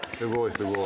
すごい！